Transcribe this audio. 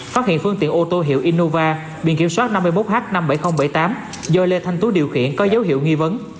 phát hiện phương tiện ô tô hiệu innova biên kiểm soát năm mươi một h năm mươi bảy nghìn bảy mươi tám do lê thanh tú điều khiển có dấu hiệu nghi vấn